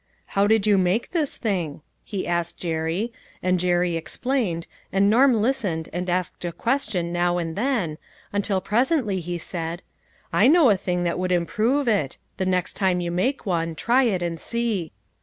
" How did you make this thing ?" he asked Jerry, and Jerry explained, and Norm listened and asked a question now and then, until pres 186 LITTLE FISHERS AND THKIB NETS. ently he said, " I know a thing that would im prove it; the next time you make one, try it and see."